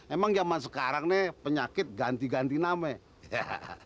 emang zaman sekarang nih penyakit ganti ganti namanya